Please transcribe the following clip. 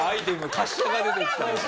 滑車が出てきた。